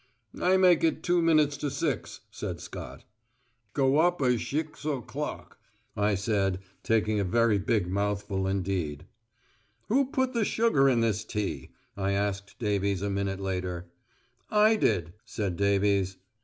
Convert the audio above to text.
"I make it two minutes to six," said Scott. "Go up a shixo' clock," I said, taking a very big mouthful indeed. "Who put the sugar in this tea?" I asked Davies a minute later. "I did," said Davies.